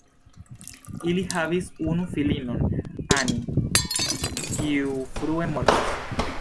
Ili havis unu filinon Annie, kiu frue mortis.